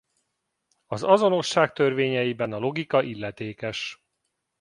Az azonosság törvényeiben a logika illetékes.